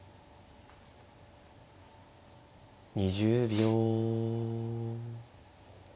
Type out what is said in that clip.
２０秒。